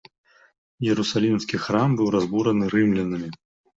Іерусалімскі храм быў разбураны рымлянамі.